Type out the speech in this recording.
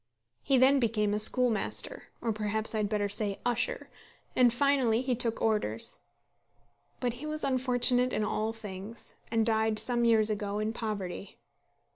He then became a schoolmaster, or perhaps I had better say usher, and finally he took orders. But he was unfortunate in all things, and died some years ago in poverty.